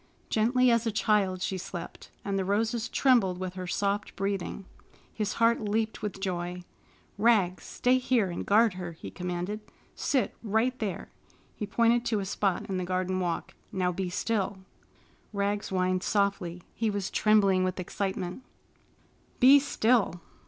Gently as a child she slept, and the roses trembled with her soft breathing. His heart leaped with joy. "Rags, stay here and guard her!" he commanded. "Sit right there!" He pointed to a spot in the garden walk. "Now be still." Rags whined softly. He was trembling with excitement. "Be still!"